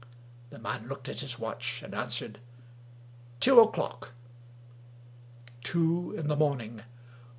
The man looked at his watch, and answered, "Two o'clock." Two in the morning.